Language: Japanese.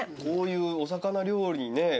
こういうお魚料理にね